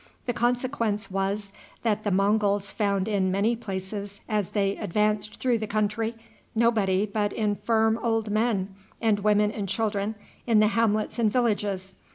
The consequence was that the Monguls found in many places, as they advanced through the country, nobody but infirm old men, and women and children in the hamlets and villages.